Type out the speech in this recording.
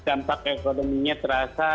dampak ekonominya terasa